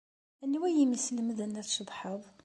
Anwa ay am-yeslemden ad tceḍḥed?